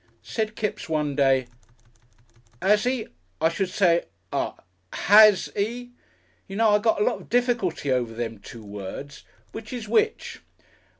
Said Kipps one day, "As 'e? I should say, ah Has 'e? Ye know I got a lot of difficulty over them two words, which is which?"